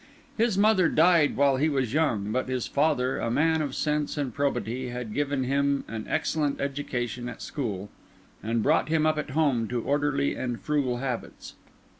His mother died while he was young; but his father, a man of sense and probity, had given him an excellent education at school, and brought him up at home to orderly and frugal habits.